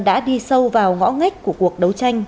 đã đi sâu vào ngõ ngách của cuộc đấu tranh